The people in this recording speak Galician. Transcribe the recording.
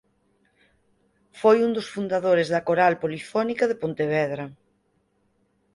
Foi un dos fundadores da Coral Polifónica de Pontevedra.